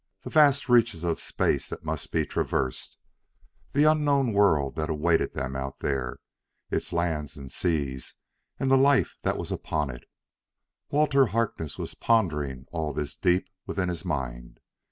The vast reaches of space that must be traversed; the unknown world that awaited them out there; its lands and seas and the life that was upon it: Walter Harkness was pondering all this deep within his mind.